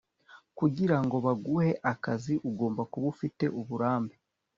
kugira ngo baguhe akazi ugomba kuba ufite uburambe